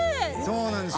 そうなんです。